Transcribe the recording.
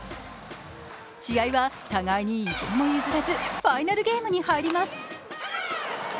試合は互いに一歩も譲らずファイナルゲームに入ります。